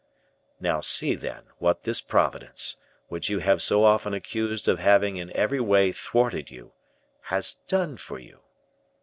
Now see, then, what this Providence, which you have so often accused of having in every way thwarted you, has done for you.